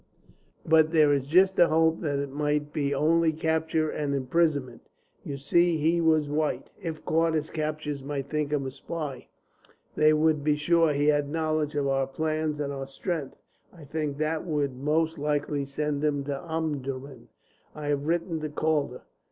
But there is just a hope it might be only capture and imprisonment. You see he was white. If caught, his captors might think him a spy; they would be sure he had knowledge of our plans and our strength. I think that they would most likely send him to Omdurman. I have written to Calder.